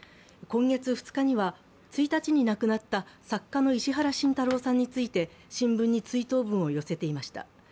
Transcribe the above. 今月２日には、１日に亡くなった作家の石原慎太郎さんについて新聞に追悼文を寄せていました。